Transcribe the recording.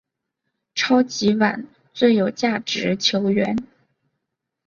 超级碗最有价值球员。